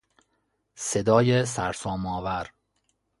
صدای سرسامآور